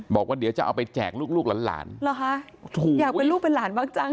บอกว่าเดี๋ยวจะเอาไปแจกลูกหลานอยากเป็นลูกเป็นหลานบ้างจัง